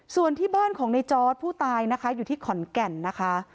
ส่วนที่บ้านของในจอร์ดผู้ตายนะคะอยู่ที่ขอนแก่นนะคะ